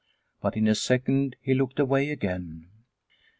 But in a second he looked away again.